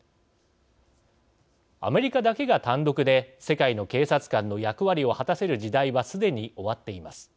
アメリカだけが単独で世界の警察官の役割を果たせる時代はすでに終わっています。